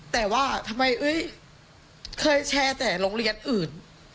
แต่ว่าทำไมเคยแชร์แต่โรงเรียนอื่น